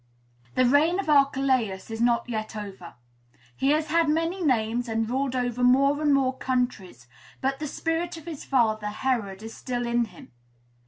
The reign of Archelaus is not yet over; he has had many names, and ruled over more and more countries, but the spirit of his father, Herod, is still in him.